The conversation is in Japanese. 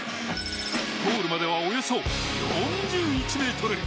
ゴールまでは、およそ４１ｍ。